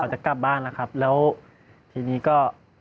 จะกลับบ้านแล้วครับแล้วทีนี้ก็